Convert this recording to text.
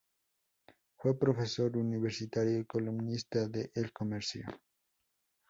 Fue profesor universitario y columnista de "El Comercio".